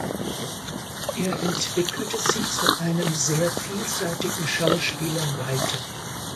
Er entwickelte sich zu einem sehr vielseitigen Schauspieler weiter.